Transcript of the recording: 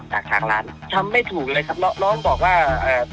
จากทางร้านทำไม่ถูกเลยครับน้องน้องบอกว่าเอ่อ